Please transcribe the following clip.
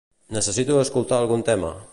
Necessito escoltar algun tema.